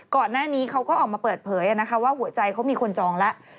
ก่อนหน้านี้เขาก็ออกมาเปิดเผยว่าหัวใจเขามีคนจองแล้ว